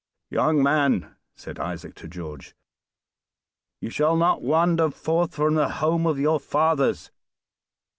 "Young man," said Isaac to George, "you shall not wander forth from the home of your fathers.